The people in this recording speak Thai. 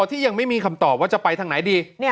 ที่ยังไม่มีคำตอบว่าจะไปทางไหนดี